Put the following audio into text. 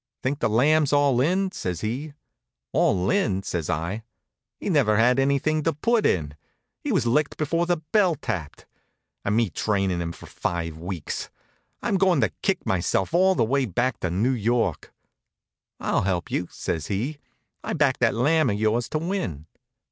"Think the Lamb's all in?" says he. "All in!" says I. "He never had anything to put in. He was licked before the bell tapped. And me trainin' him for five weeks! I'm goin' to kick myself all the way back to New York." "I'll help you," says he. "I backed that Lamb of yours to win."